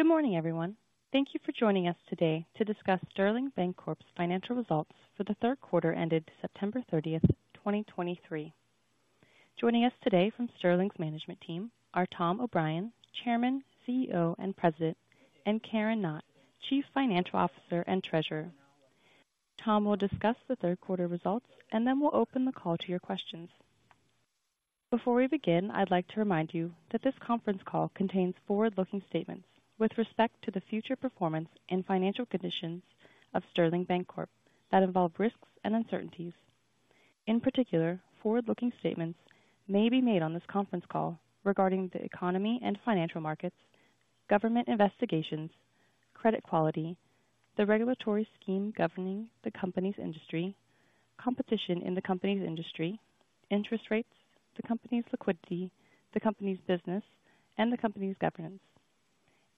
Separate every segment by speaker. Speaker 1: Good morning, everyone. Thank you for joining us today to discuss Sterling Bancorp's financial results for the third quarter ended September 30, 2023. Joining us today from Sterling's management team are Tom O'Brien, Chairman, CEO, and President, and Karen Knott, Chief Financial Officer and Treasurer. Tom will discuss the third quarter results, and then we'll open the call to your questions. Before we begin, I'd like to remind you that this conference call contains forward-looking statements with respect to the future performance and financial conditions of Sterling Bancorp that involve risks and uncertainties. In particular, forward-looking statements may be made on this conference call regarding the economy and financial markets, government investigations, credit quality, the regulatory scheme governing the company's industry, competition in the company's industry, interest rates, the company's liquidity, the company's business, and the company's governance.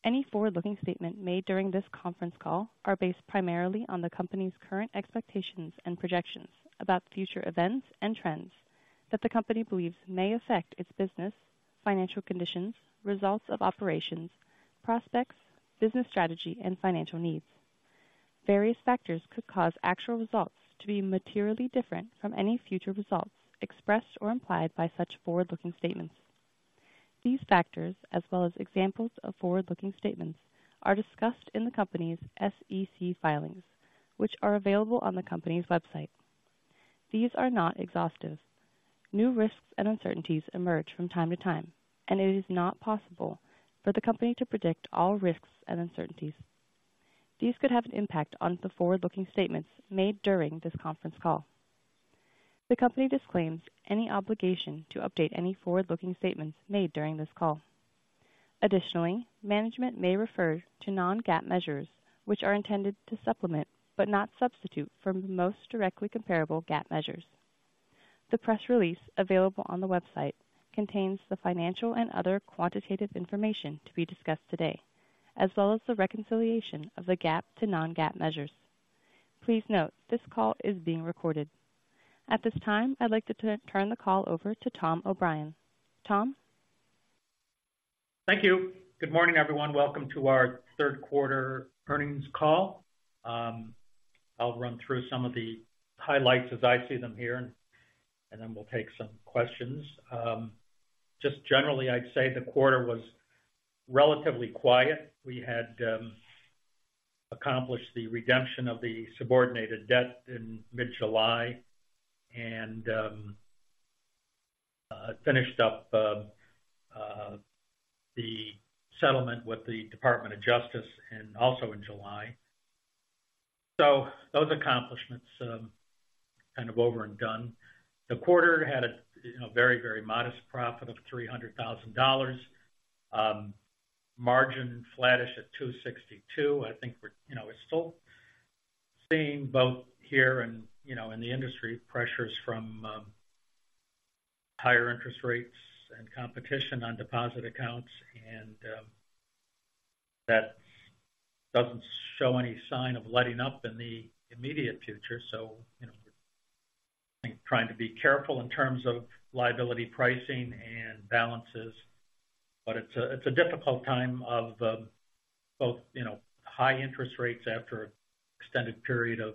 Speaker 1: Any forward-looking statement made during this conference call are based primarily on the company's current expectations and projections about future events and trends that the company believes may affect its business, financial conditions, results of operations, prospects, business strategy, and financial needs. Various factors could cause actual results to be materially different from any future results expressed or implied by such forward-looking statements. These factors, as well as examples of forward-looking statements, are discussed in the company's SEC filings, which are available on the company's website. These are not exhaustive. New risks and uncertainties emerge from time to time, and it is not possible for the company to predict all risks and uncertainties. These could have an impact on the forward-looking statements made during this conference call. The company disclaims any obligation to update any forward-looking statements made during this call. Additionally, management may refer to non-GAAP measures, which are intended to supplement, but not substitute, for the most directly comparable GAAP measures. The press release available on the website contains the financial and other quantitative information to be discussed today, as well as the reconciliation of the GAAP to non-GAAP measures. Please note, this call is being recorded. At this time, I'd like to turn the call over to Tom O'Brien. Tom?
Speaker 2: Thank you. Good morning, everyone. Welcome to our third quarter earnings call. I'll run through some of the highlights as I see them here, and then we'll take some questions. Just generally, I'd say the quarter was relatively quiet. We had accomplished the redemption of the subordinated debt in mid-July and finished up the settlement with the Department of Justice and also in July. So those accomplishments kind of over and done. The quarter had a, you know, very, very modest profit of $300,000. Margin flattish at 2.62. I think we're, you know, we're still seeing both here and, you know, in the industry, pressures from higher interest rates and competition on deposit accounts, and that doesn't show any sign of letting up in the immediate future. So, you know, I think trying to be careful in terms of liability pricing and balances, but it's a, it's a difficult time of both, you know, high interest rates after an extended period of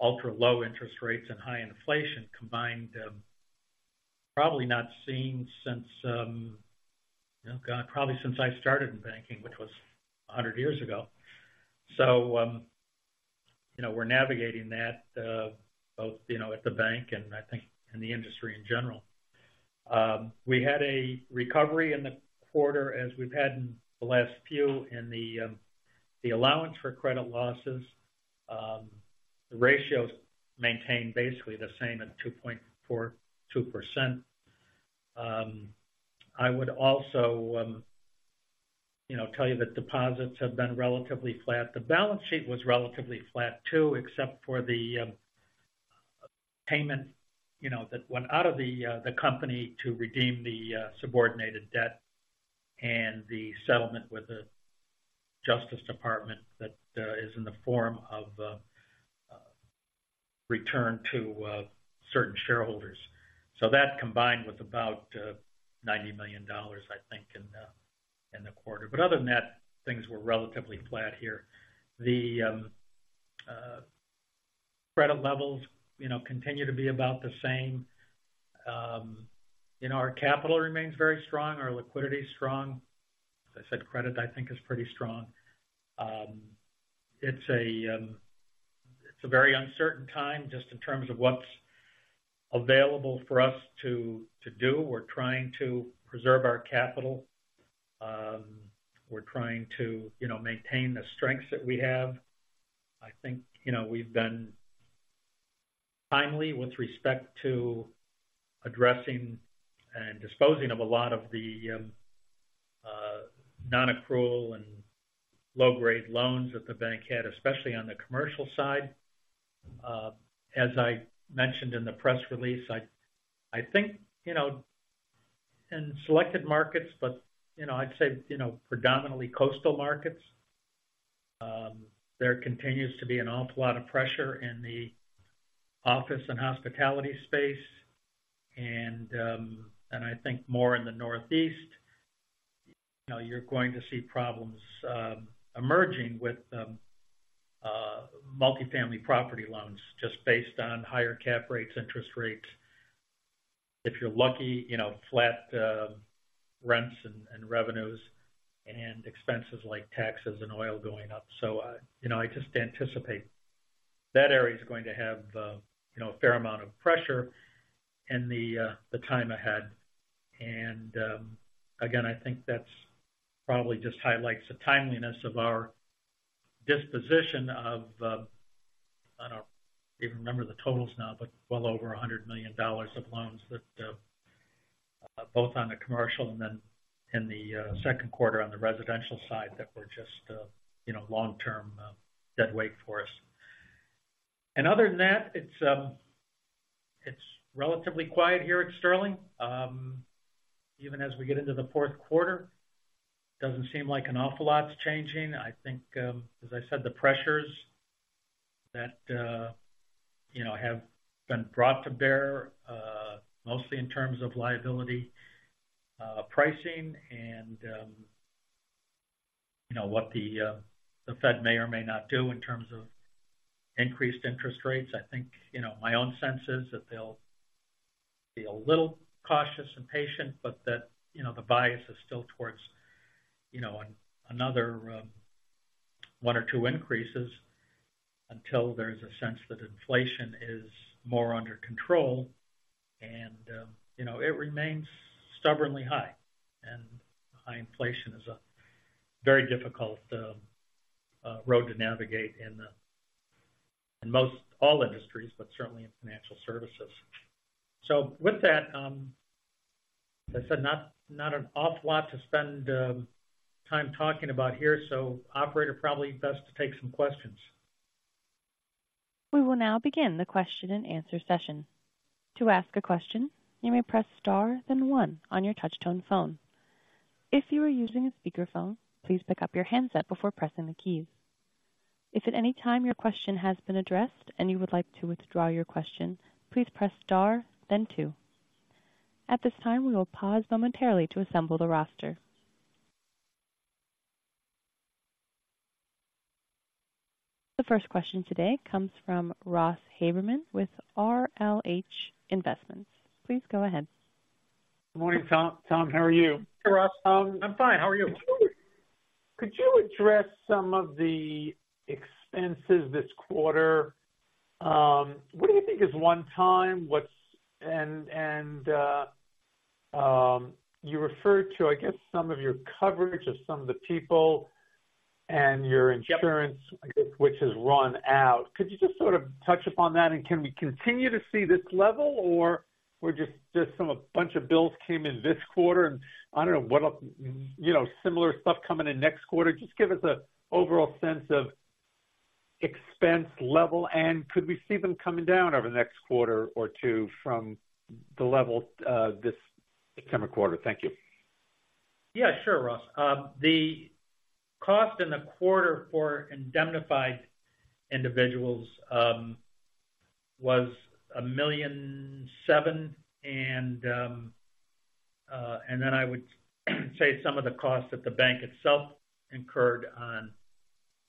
Speaker 2: ultra-low interest rates and high inflation combined, probably not seen since, you know, God, probably since I started in banking, which was 100 years ago. So, you know, we're navigating that, both, you know, at the bank and I think in the industry in general. We had a recovery in the quarter, as we've had in the last few, in the Allowance for credit losses. The ratios maintained basically the same at 2.42%. I would also, you know, tell you that deposits have been relatively flat. The balance sheet was relatively flat, too, except for the payment, you know, that went out of the company to redeem the subordinated debt and the settlement with the Justice Department that is in the form of return to certain shareholders. So that combined with about $90 million, I think, in the quarter. But other than that, things were relatively flat here. The credit levels, you know, continue to be about the same. You know, our capital remains very strong, our liquidity is strong. As I said, credit, I think, is pretty strong. It's a very uncertain time just in terms of what's available for us to do. We're trying to preserve our capital. We're trying to, you know, maintain the strengths that we have. I think, you know, we've been timely with respect to addressing and disposing of a lot of the non-accrual and low-grade loans that the bank had, especially on the commercial side. As I mentioned in the press release, I think, you know, in selected markets, but, you know, I'd say, you know, predominantly coastal markets. There continues to be an awful lot of pressure in the office and hospitality space. I think more in the Northeast, you know, you're going to see problems emerging with multifamily property loans just based on higher cap rates, interest rates. If you're lucky, you know, flat rents and revenues and expenses like taxes and oil going up. So, you know, I just anticipate that area is going to have, you know, a fair amount of pressure in the time ahead. And, again, I think that's probably just highlights the timeliness of our disposition of, I don't even remember the totals now, but well over $100 million of loans that, both on the commercial and then in the second quarter on the residential side, that were just, you know, long-term dead weight for us. And other than that, it's, it's relatively quiet here at Sterling. Even as we get into the fourth quarter, doesn't seem like an awful lot's changing. I think, as I said, the pressures that, you know, have been brought to bear, mostly in terms of liability, pricing and, you know, what the, the Fed may or may not do in terms of increased interest rates. I think, you know, my own sense is that they'll be a little cautious and patient, but that, you know, the bias is still towards, you know, another, one or two increases until there's a sense that inflation is more under control, and, you know, it remains stubbornly high. And high inflation is a very difficult road to navigate in, in most all industries, but certainly in financial services. So with that, as I said, not, not an awful lot to spend, time talking about here, so operator, probably best to take some questions.
Speaker 1: We will now begin the question-and-answer session. To ask a question, you may press star, then one on your touchtone phone. If you are using a speakerphone, please pick up your handset before pressing the keys. If at any time your question has been addressed and you would like to withdraw your question, please press star, then two. At this time, we will pause momentarily to assemble the roster. The first question today comes from Ross Haberman with RLH Investments. Please go ahead.
Speaker 3: Good morning, Tom. Tom, how are you?
Speaker 2: Hey, Ross.
Speaker 3: I'm fine. How are you? Could you address some of the expenses this quarter? What do you think is one time, what's... And you referred to, I guess, some of your coverage of some of the people and your insurance.
Speaker 2: Yep.
Speaker 3: which has run out. Could you just sort of touch upon that, and can we continue to see this level, or we're just, just from a bunch of bills came in this quarter, and I don't know what else, you know, similar stuff coming in next quarter? Just give us a overall sense of expense level, and could we see them coming down over the next quarter or two from the level, this summer quarter? Thank you.
Speaker 2: Yeah, sure, Ross. The cost in the quarter for indemnified individuals was $1.7 million. And then I would say some of the costs that the bank itself incurred on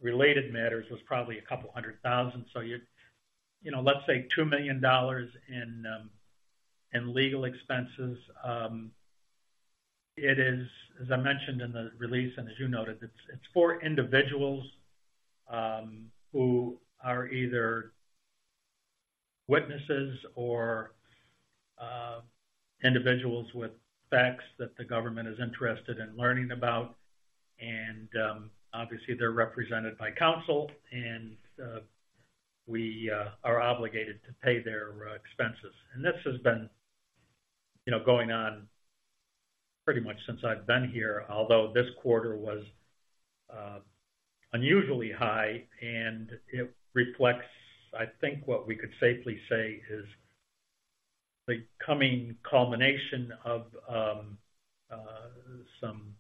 Speaker 2: related matters was probably $200,000. So you know, let's say $2 million in legal expenses. It is, as I mentioned in the release, and as you noted, it's for individuals who are either witnesses or individuals with facts that the government is interested in learning about. And obviously, they're represented by counsel, and we are obligated to pay their expenses. This has been, you know, going on pretty much since I've been here, although this quarter was unusually high, and it reflects, I think, what we could safely say is the coming culmination of some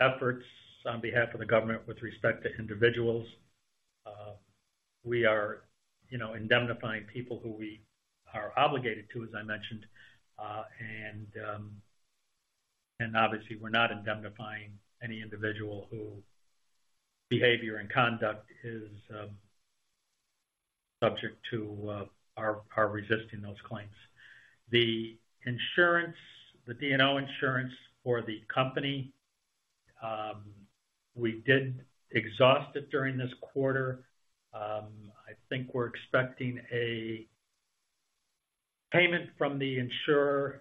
Speaker 2: efforts on behalf of the government with respect to individuals. We are, you know, indemnifying people who we are obligated to, as I mentioned, and obviously we're not indemnifying any individual whose behavior and conduct is subject to are resisting those claims. The insurance, the D&O insurance for the company, we did exhaust it during this quarter. I think we're expecting a payment from the insurer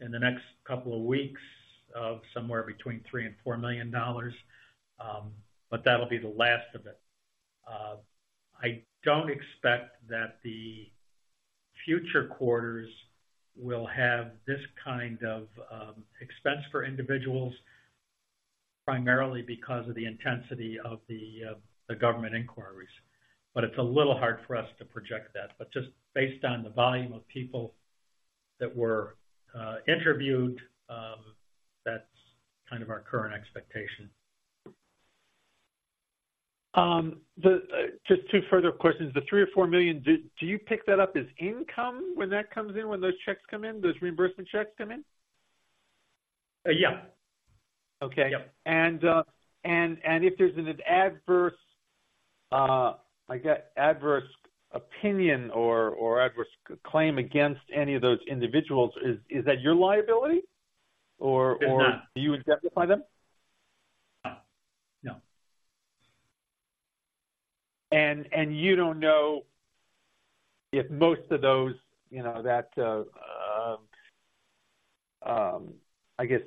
Speaker 2: in the next couple of weeks of somewhere between $3 million and $4 million, but that'll be the last of it. I don't expect that the future quarters will have this kind of expense for individuals, primarily because of the intensity of the government inquiries. But it's a little hard for us to project that. But just based on the volume of people that were interviewed, that's kind of our current expectation.
Speaker 3: Just two further questions. The $3-$4 million, do you pick that up as income when that comes in, when those checks come in, those reimbursement checks come in?
Speaker 2: Uh, yeah.
Speaker 3: Okay.
Speaker 2: Yep.
Speaker 3: And if there's an adverse, I guess, adverse opinion or adverse claim against any of those individuals, is that your liability, or-
Speaker 2: It's not.
Speaker 3: Do you indemnify them?
Speaker 2: No. No.
Speaker 3: You don't know if most of those, you know, that I guess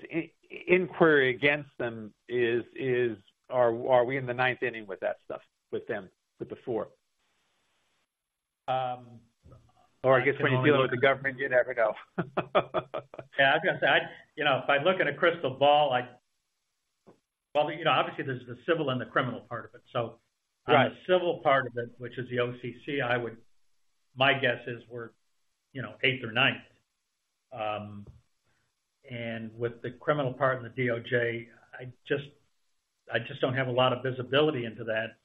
Speaker 3: inquiry against them is... Are we in the ninth inning with that stuff, with them, with the four?
Speaker 2: Um-
Speaker 3: I guess when you're dealing with the government, you never know.
Speaker 2: Yeah, I was gonna say, you know, if I look at a crystal ball. Well, you know, obviously there's the civil and the criminal part of it, so.
Speaker 3: Right.
Speaker 2: On the civil part of it, which is the OCC, I would—my guess is we're, you know, eighth or ninth. And with the criminal part and the DOJ, I just, I just don't have a lot of visibility into that,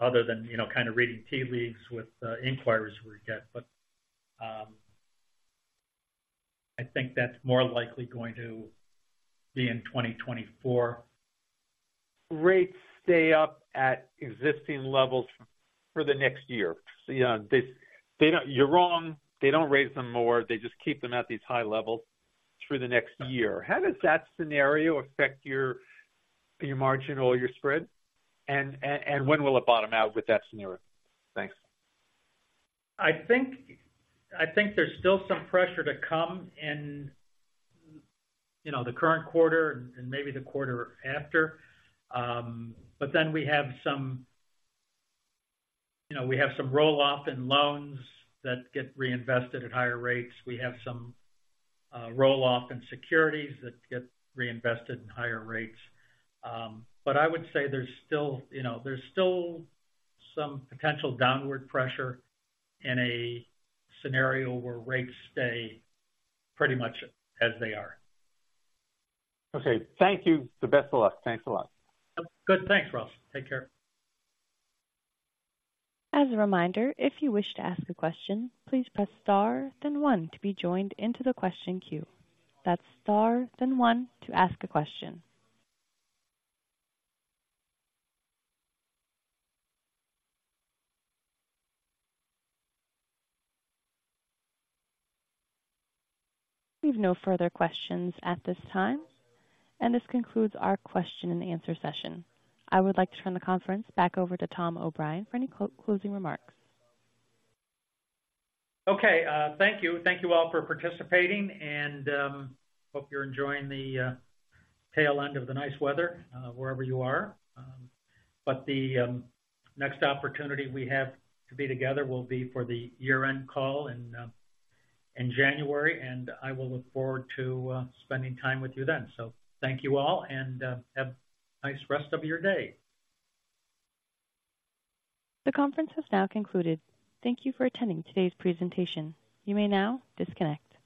Speaker 2: other than, you know, kind of reading tea leaves with inquiries we get. But, I think that's more likely going to be in 2024.
Speaker 3: Rates stay up at existing levels for the next year. So yeah, they don't... You're wrong. They don't raise them more, they just keep them at these high levels through the next year. How does that scenario affect your margin or your spread? And when will it bottom out with that scenario? Thanks.
Speaker 2: I think, I think there's still some pressure to come in, you know, the current quarter and, and maybe the quarter after. But then we have some, you know, we have some roll-off in loans that get reinvested at higher rates. We have some roll-off in securities that get reinvested in higher rates. But I would say there's still, you know, there's still some potential downward pressure in a scenario where rates stay pretty much as they are.
Speaker 3: Okay. Thank you. The best of luck. Thanks a lot.
Speaker 2: Good. Thanks, Ross. Take care.
Speaker 1: As a reminder, if you wish to ask a question, please press star then one to be joined into the question queue. That's star then one to ask a question. We've no further questions at this time, and this concludes our question-and-answer session. I would like to turn the conference back over to Tom O'Brien for any closing remarks.
Speaker 2: Okay, thank you. Thank you all for participating, and hope you're enjoying the tail end of the nice weather, wherever you are. But the next opportunity we have to be together will be for the year-end call in January, and I will look forward to spending time with you then. So thank you all, and have a nice rest of your day.
Speaker 1: The conference has now concluded. Thank you for attending today's presentation. You may now disconnect.